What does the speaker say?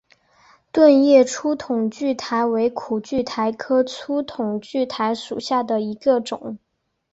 盾叶粗筒苣苔为苦苣苔科粗筒苣苔属下的一个种。